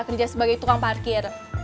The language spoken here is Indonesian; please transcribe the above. kerja sebagai tukang parkir